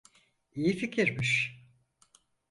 İyi fikirmiş.